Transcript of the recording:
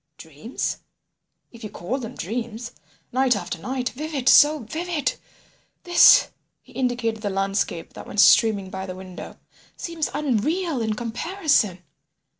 "Dreams?" "If you call them dreams. Night after night. Vivid!—so vivid .... this—" (he indicated the landscape that went streaming by the window) "seems unreal in comparison!